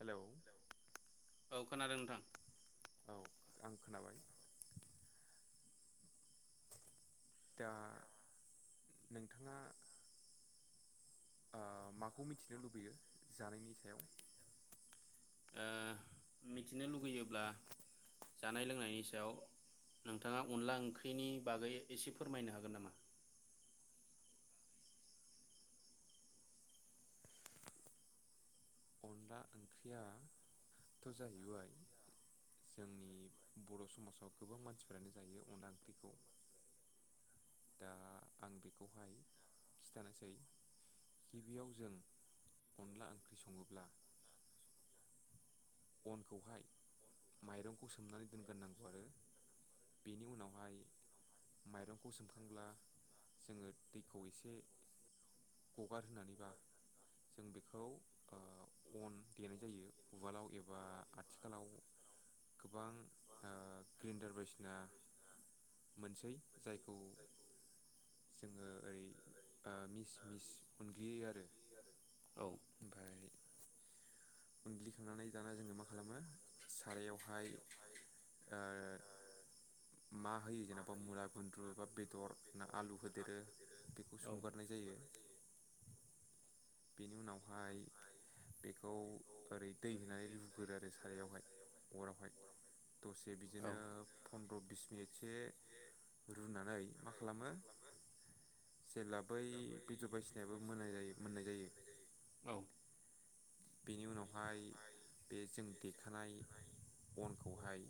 Hello औ खोनादों नोंथां। औ आं खोनाबाय। दा नोंथाङा माखौ मिथिनो लुबैयो जानायनि सायाव? ओ मिथिनो लुगैयोब्ला जानाय लोंनायनि सायाव नोंथांङा अनला ओंख्रिनि बागै एसे फोरमायनो हागोन नामा? अनला ओंख्रियाथ' जाहैबाय जोंनि बर' समाजाव गोबां मानसिफ्रानो जायो अनला ओंख्रिखौ। दा आं बेखौहाय खिथानोसै गिबियाव जों अनला ओंख्रि सङोब्ला अनखौहाय माइरंखौ सोमनानै दोनग्रनांगौ आरो बेनि उनावहाय माइरंखौ सोमखांब्ला जोंङो दैखौ एसे गगार होनानैबा जों बेखौ अन देनाय जायो उवालाव एबा बा आथिखालाव गोबां ग्रिन्डार बायसिना मोनसै जायखौ जोंङो ओरै मिस मिस उनग्लियो आरो औ ओमफ्राय उग्लिखांनानै दाना जोङो मा खालामो? सारायावहाय मा होयो जेन'बा मुला गुन्द्रु बा बेदर ना आलु होदेरो बेखौ औ संगारनाय जायो। बेनि उनावहाय बेखौ ओरै दै होनानै रुग्रोयो आरो सारायावहाय अरावहाय दसे औ बिदिनो फनन्द्र' बिस मिनिटसो रुनानै मा खालामो? जेब्ला बै बेदर बायसिनायाबो मोननाय जायो मोननाय औ बिनि उनाव हाय बे जों देखानाय अनखौहाय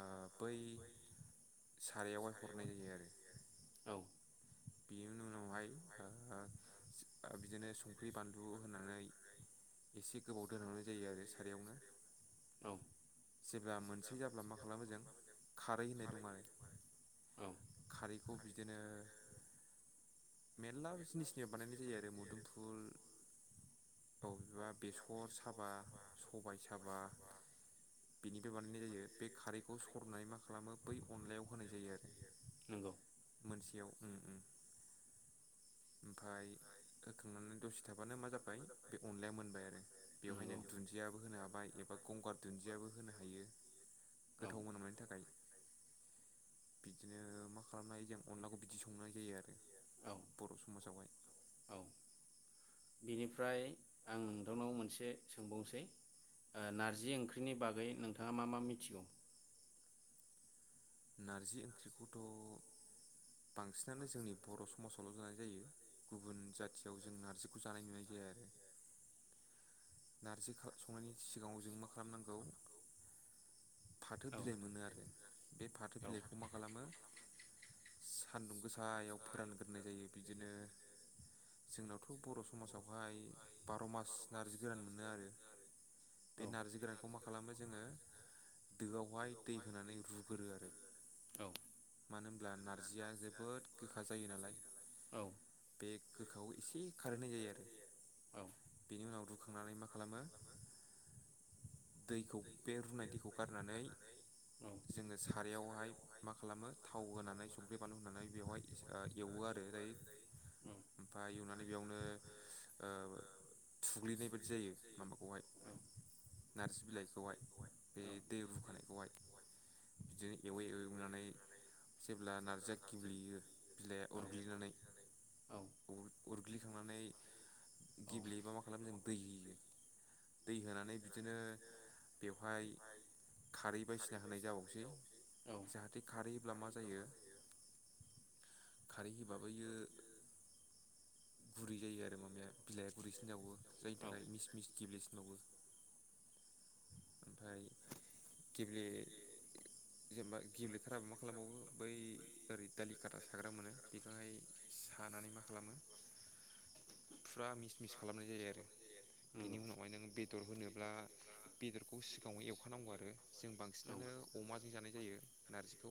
ओ बै सारायावहाय हरनाय जायो आरो औ बेनि उनावहाय ओ बिदिनो संख्रि बानलु होनानै एसे गोबाव दोनहांनाय जायो आरो सारयावनो औ जेब्ला मोनसे जाब्ला मा खालामो जों खारै होननाय दं आरो औ खारैखौ बिदिनो मेर्ला जिनिसनिफ्राय बानायनाय जायो आरो मुदुमफुल बबेबा बेसर साबा सबाइ साबा बेनिफ्राय बानायनाय जायो बे खारैखौ सरनानै मा खालामो बै अनलायाव होनाय जायो आरो नंगौ मोनसेयाव उम उम ओमफाय होखांनानै दसे था माबानो मा जाबाय बे अनलाया मोनबाय आरो बेवहाय नों नंगौ दुनजियाबो होनो हाबाय एबा गंगार दुनजियाबो होनो हायो औ गोथाव मोनामनायनि थाखाय बिदिनो मा खालामनाय हायो जों अनलाखौ बिदि संनाय जायो औ आरो। बर' समाजावहाय औ बिनिफ्राय आं नोंथांनाव मोनसे सोंबावनोसै नारजि ओंख्रिनि बागै नोंथांङा मा मा मिथिगौ? नारजि ओंख्रिखौथ' बांसिनानो जोंनि बर' समाजावल' जानाय जायो गुबुन जाथियाव जों नार्जिखौ जानाय नुनाय जाया आरो नारजि संनायनि सिगाङाव जों मा खालामनांगौ फाथो औ बिलाइ मोनो आरो बे फाथो औ बिलाइखौ मा खालामो सान्दुं गोस [unintelligible] फोरानग्रोनाय जायो बिदिनो जोंनावथ' बर' समाजावहाय बार' मास नार्जि गोरान मोनो आरो बे नारजि गोरानखौ मा खालामो जोंङो दोआवहाय दै होनानै रुग्रो आरो औ मानो होनब्ला नारजिया जोबोद गोखा जायो नालाय औ बे गोखाायाव एसे खारहोनाय जायो आरो औ बेनि उनाव रुखांनानै मा खालामो दैखौ बे रुनाय दैखौ हगारनानै औ जोङो सारायावहाय मा खालामो थाव होनानै संख्रि बानलु होनानै बेवहाय ओएवो आरो दायो ओमफाय एवनानै बेयावनो ओ थुग्लिनाय बायदि जायो माबाखौहाय नारजि बिलाइ [unintelligible] बे औ दै रुखानायखौहाय बिदिनो एवै एवै एवनानै जेब्ला नार्जिया गेब्लेयो बिलाइआ नंगौ अरग्लिनानै अरग्लिखांनानै औ गेब्लेयोबा मा खालामो जों दै होयो दै होनानै बिदिनो बेवहाय खारै बायदिसिना होनाय जाबावसै जाहाथे खारैहोब्ला मा जाय बेयो खारै होबाबोयो गुरै जायो आरो माबाया बिलाइया गुरैसिन जावो जायनि थाखाय मिस मिस गेब्लेसिनबावो ओमफ्राय गेब्ले जेनेबा गेब्लेथाराबो मा खालामबावो बै ओरै दालि खााथा साग्रा मोनो बेखौहाय सानानै मा खालामो फुरा मिस मिस खालामनाय जायो आरो बेनि उनावहाय नोङो बेदर होनोब्ला बेदरखौ सिगाङाव एव नांगौ आरो जों बांसिनानो अमाजों जानाय जायो नारजिखौ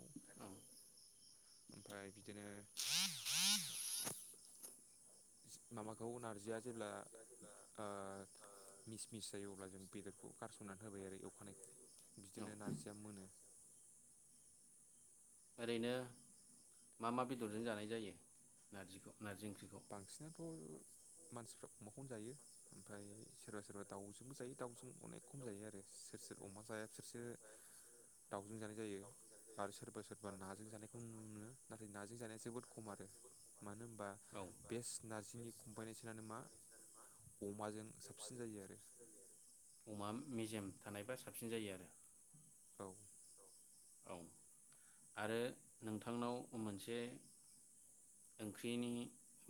ओमफ्राय बिदिनो [inaudible] खौ नारजिया जेब्ला आ मिस मिस जायो अब्ला जों बेदरखौ गारसननानै होबाय आरो एवखानायखौ औ बिदिनो नारजिया मोनो ओरैनो मा मा बेदरजों जानाय जायो नारजिखौ नारजि ओंख्रि बांसिनाथ' मानसिफ्रा अमाखौनो जायो ओमफ्राय सोरबा सोरबा दाउजोंबो जायो दाउजों अनेक खम जायो आरो सोर सोर अमा जाया बिसोरसो दाावजों जानाय जायो आरो सोरबा सोरबा नाजों जानायखौ नुनो मोनो नाथाय नाजों जानाया जोबोद खम आरो मानो होनबा औ बेस्ट नार्जिनि कम्बाइनेसनानो मा अमाजों साबसिन जायो आरो अमा मेजेम थानायबा साबसिन जायो आरो औ औ आरो नोंथांनाव मोनसे ओंख्रिनि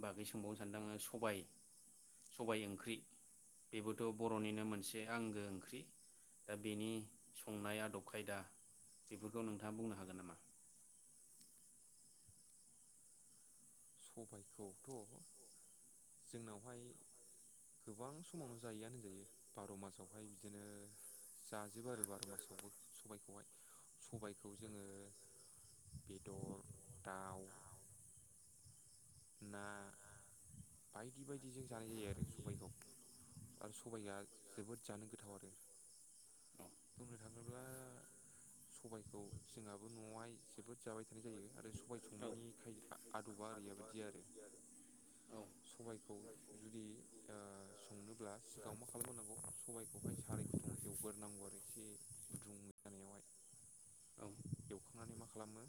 बागै सोंबावनो सानदों आङो सबाय सबाय ओंख्रि बेबोथ' बर'निनो मोनसे आंगो ओंख्रि दा बेनि संनाय आदब खायदा बेफोरखौ नोंथाङा बुंनो हागोन नामा? सबायखौथ' जोंनावहाय गोबां समावनो जायोआ होनजायो बार' मासावहाय बिदिनो जाजोबो आरो बार' मासावबो सबाइखौहाय सबायखौ जोङो बेदर दाउ ना बायदि बायदिजों जानाय जायो आरो सबाइखौ आरो सबाइआ जोबोद जानो गोथाव आरो बुंनो थाङोब्ला सबायखौ जोंहाबो न'आवहाय जोबोद जाबाय थानाय जायो आरो सबाय औ संनायनि खाय आदबा आरओरिया बाददि आरो औ सबायखौ जुदि ओ संनोब्ला सिगाङाव मा खालामोनांगौ सबाय बेखौहाय साराय गुदुंयाव एवगोरोनांगौ आरो एसे गुदुं जानायावहाय एवखांनानै मा खालामो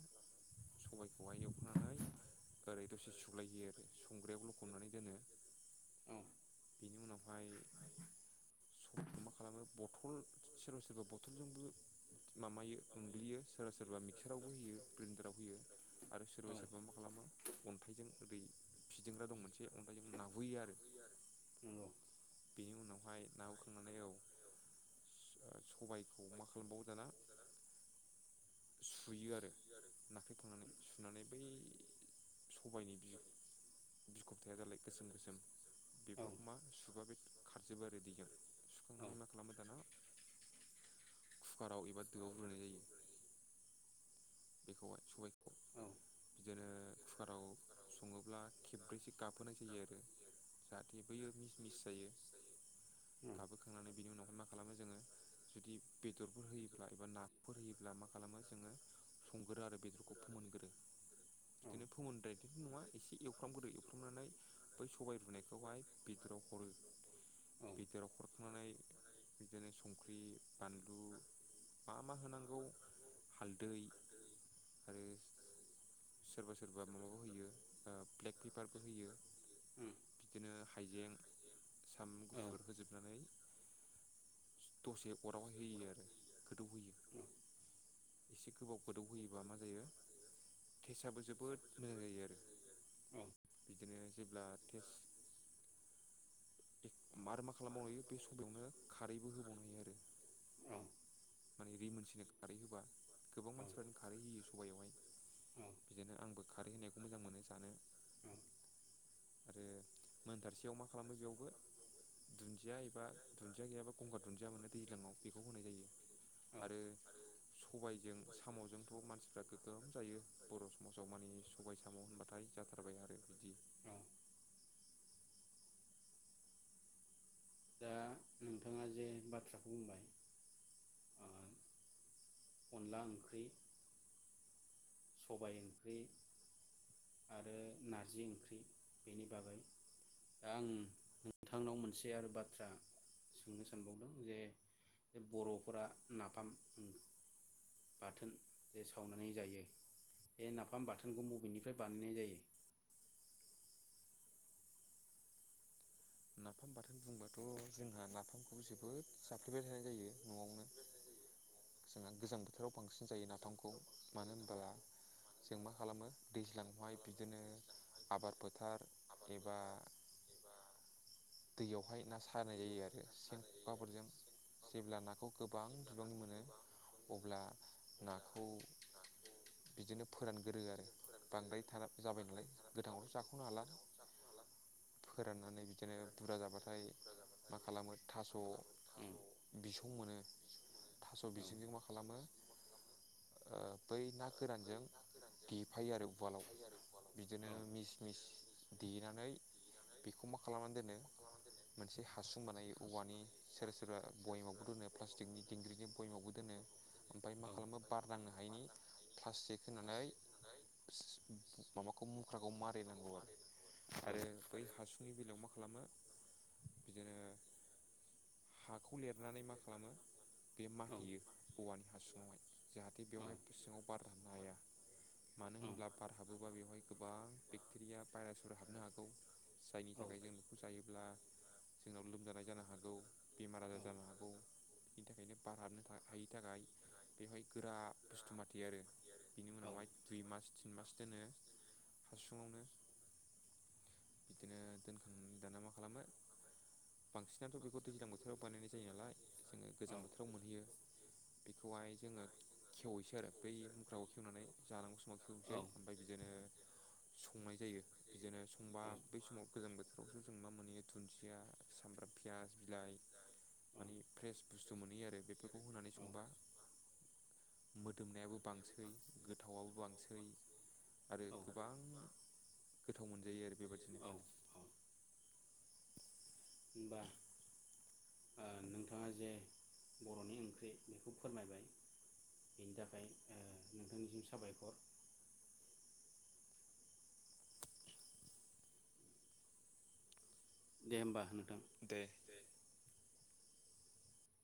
सबाइखौहाय एवखांनानै ओरै दसे सुलायहोयो औ बेनि उनावहाय सबाय खौ मा खालामो? बथल सोरबा सोरबा बथलजोंबो मामायो उनग्लियो। सोरबा मिक्सारावबो होयो ग्रेन्डाराव होयो आरो सोरबा औ सोरबा मा खालामो अन्थाइजों बै फिदिंग्रा दं मोनसे अन्थाइजों नाहयो आरो नंगौ बेनि उनावहाय नाहोखांनानै औ स सबायखौ मा खालामबावो दाना सु सुयो आरो नाख्रेखांनानै सुनानै बै सबायनि बिख बिखबथाया दालाय गोसोम गोसोम औ बेफोरखौ मा सुबा बे खारजोबो आरो दैजों औ सुखांनानै मा खालामो दाना कुकाराव एबा दोआव होनाय जायो। बेखौहाय सबायखौ बिदिनो कुकाराव सङोब्ला खेब्रैसो गाबहोनाय जायो आरो जाहाथे बैयो मिस मिस जायो उम गाबहोखांनानै बिनि उनावहाय मा खालामो जोङो जुदि बेदरफोर होयोब्ला एबा नाफोर होयोब्ला मा खालामो जोङो संगोरो आरो बेदरखौ फोमोनग्रो औ बिदिनो फोमोनद्रायदिथ' नङा एसे एवफ्राम गुरै एवफ्रामनानै बै सबाय रुनायखौहाय बेदराव हरो बेदराव हरखांनानै बिदिनो संख्रि बानलु मा मा होनांगौ हालदै आरो सोरबा सोरबा माबाबो होयो ओ पेपारबो होयो उम बिदिनो हाइजें सामब्राम औ औ गुफुर होजोबनानै दसे अराव होयो आरो गोदौ होयो। एसे गोबाव गोदौ होयोबा मा जायो तेस्टआबो जोबोद मोजां जायो आरो बिदिनो जेब्ला थेस्ट आरो मा खालामबावनो बे सबयावनो खारैबो होबावनो हायो आरो [unintelligible] खारै होबा गोबां मानसिफ्रानो खारै होयो सबाइयावहाय बिदिनो आंबो खारै होनायखौ बेखौ मोजां मोनो जानो। औ आरो मोनथारसेैयाव मा खालामो बेयावबो दुन्दिया एबा दुन्दिया गैयाबा गंगार दुन्दिया मोनो दैज्लाङाव बेखौ होनाय जायो। आरो सबायजों साम'जोंथ' दा नोंथाङा जे बाथ्राखौ बुंबाय ओ अनला ओंख्रै सबाय ओंख्रि आरो नारजि ओंख्रि बेनि बागै दा आं नोंथांनाव मोनसे आरो बाथ्रा सोंनो सानबावदों जे बर'फोरा नाफाम बाथोन जे सावनानै जायो बे नाफाम बाथोनखौ बबेनिफ्राय बानायनाय जायो? नाफाम बाथोन बुंबाथ' जोंहा नाफामखौ जोबोद जाफ्लेबाय थानाय जायो न'आवनो जोंहा गोजां बोथोराव बांसिन जायो ना खौ मानो होनोबब्ला जों मा खालामो दैज्लाङावहाय बिदिनो आबाद फोथार एबा दैयावहाय ना सारनाय जायो आरो सेन ख'खाफोरजों जेब्ला नाखौ गोबां बिबांनि मोनो अब्ला ना खौ बिदिनो फोरानगोरो आरो बांद्रायथार जाबाय नालाय गोथाङावथ' जाख'नो हाला फोराननानै बिदि बिदिनो बुरजा जाबाथाय मा खालामो थास' बिसौ मोनो थास' औ बिजंजों मा खालामो ओ बै ना गोरानजों देफायो आरो उवालाव बिदिनो औ मिस मिस देनानै बेखौ मा दोनो मोनसे हासुं बानायो औवानि सोरबा सोरबा बयेमावबो दोनो प्लास्टिकनि दिंग्रिनि बयमावबो दोनो ओमफाय मा खालामो बारनांनो हायैनि प्लास्टिक होनानै सिसि माबाखौ मुख्राखौ मारिनांगौ आरो आरो बै हासुं बेलेग मा खालामो बिदिनो हाखौ लिरनानै मा खालामो बे औ माथेयो औवानि हासुङावहाय जाहाथे औ बेवहाय सिङाव बार हाबनो हाया मानो होनोब्ला बार हाबोबा बेवहाय गोबां बेक्टेरिया भाइरासफोर हाबनो हागौ जायनि थाखाय जों बेखौ जायोब्ला जोंनाव लोमजानाय जानो हागौ बेमा जानो हागौ बेनि थाखायनो बार हाबनो हायि थाखाय बेवहाय गोरा बुस्थु माथो आरो बेनि उनावहाय दुइ मास तिन मास दोनो हासुङावनो बिदिनो दोनखांनानै दाना मा खालामो बांसिनथ' बेखौ दैलां बोथोर बानायनाय जायो नालाय जोङो गोजां बोथोराव मोनहैयो औ बेखौहाय जोङो खेवैसै औ आरो औ बै मुग्राखौ खेवनानै जालांगौ समाव औ खेवनोसै ओमफाय बिदिनो संनाय जायो बिदिनो संबा औ बै समाव गोजां बोथोरावसो जों मा मोनहैयो दुुनदिया सामब्राम पियास बिलाइ माने फ्रेस बुस्थु मोनहैयो आरो बेफोरखौ होनानै संबा मोदोमनायाबो बांसै गोथावाबो बांसै आरो गोबां गोथाव मोनजायो आरो बेबादिनो। होनबा आ नोंथाङा जे बर'नि ओंख्रि बेखौ फोरमायबाय बेनि थाखाय ओ नोंथांनिसिम साबायखर। दे होमबा होन। दे